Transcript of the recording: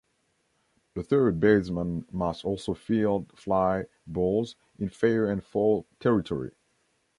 The third baseman must also field fly balls in fair and foul territory.